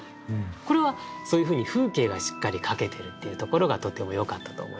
これはそういうふうに風景がしっかり書けてるっていうところがとてもよかったと思います。